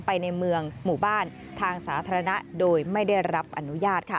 ในเมืองหมู่บ้านทางสาธารณะโดยไม่ได้รับอนุญาตค่ะ